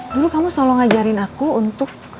dulu kamu selalu ngajarin aku untuk